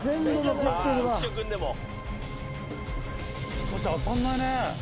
しかし当たんないね。